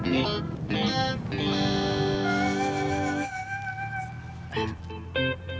akang bajakin sabrina aja